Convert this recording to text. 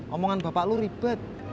omongan bapak lu ribet